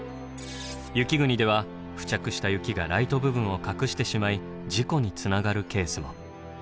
雪国では付着した雪がライト部分を隠してしまい事故につながるケースも。